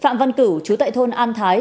phạm văn cửu chú tại thôn an thái